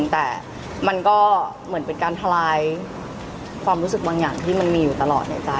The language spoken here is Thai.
แต่มันก็เหมือนเป็นการทลายความรู้สึกบางอย่างที่มันมีอยู่ตลอดในใจ